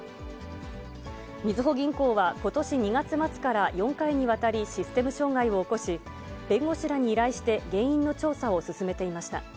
みずほ銀行は、ことし２月末から４回にわたりシステム障害を起こし、弁護士らに依頼して、原因の調査を進めていました。